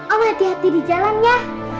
oh hati hati di jalan ya